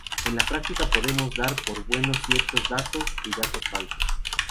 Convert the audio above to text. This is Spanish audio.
En la práctica podemos dar por buenos ciertos datos y datos falsos.